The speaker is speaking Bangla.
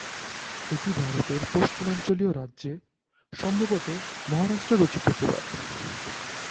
এটি ভারতের পশ্চিমাঞ্চলীয় রাজ্যে, সম্ভবত মহারাষ্ট্রে রচিত হতে পারে।